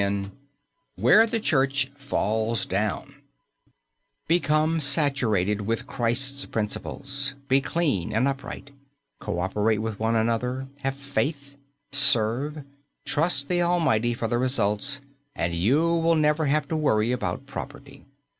X WHERE THE CHURCH FALLS DOWN Become saturated with Christ's principles, be clean and upright, coöperate with one another, have faith, serve, trust the Almighty for the results, and you will never have to worry about property.